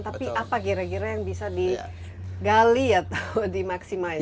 tapi apa kira kira yang bisa digali atau dimaksimalkan